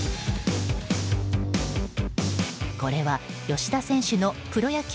これは吉田選手のプロ野球